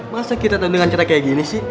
masa kita tetep dengan cerita kayak gini sih